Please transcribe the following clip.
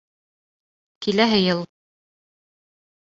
Киләһе йыл